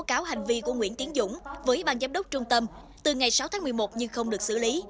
đã tố cáo hành vi của nguyễn tiến dũng với bàn giám đốc trung tâm từ ngày sáu tháng một mươi một nhưng không được xử lý